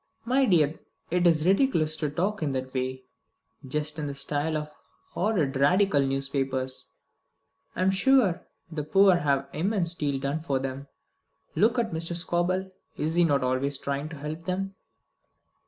"My dear, it is ridiculous to talk in that way; just in the style of horrid Radical newspapers. I am sure the poor have an immense deal done for them. Look at Mr. Scobel, is he not always trying to help them?"